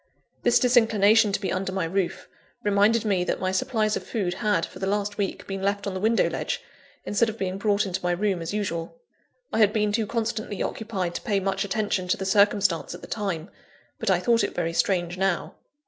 This disinclination to be under my roof, reminded me that my supplies of food had, for the last week, been left on the window ledge, instead of being brought into my room as usual. I had been too constantly occupied to pay much attention to the circumstance at the time; but I thought it very strange now.